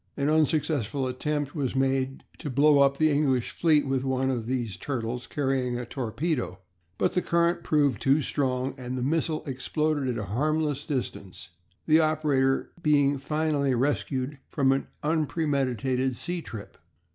An unsuccessful attempt was made to blow up the English fleet with one of these "Turtles" carrying a torpedo, but the current proved too strong, and the missile exploded at a harmless distance, the operator being finally rescued from an unpremeditated sea trip!